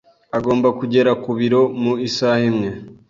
Agomba kugera ku biro mu isaha imwe.